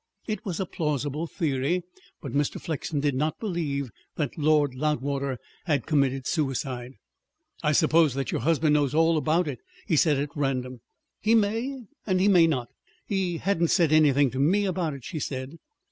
It was a plausible theory, but Mr. Flexen did not believe that Lord Loudwater had committed suicide. "I suppose that your husband knows all about it?" he said at random. "He may, and he may not. He hasn't said anything to me about it," she said.